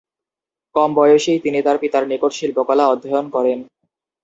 কম বয়সেই তিনি তার পিতার নিকট শিল্পকলা অধ্যয়ন করেন।